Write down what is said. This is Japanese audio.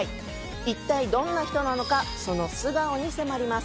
一体どんな人なのか、その素顔に迫ります。